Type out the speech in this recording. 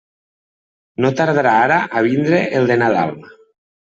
No tardarà ara a vindre el de Nadal.